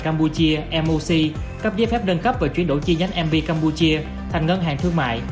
cambodia cấp giấy phép đơn cấp và chuyển đổi chi nhánh mb cambodia thành ngân hàng thương mại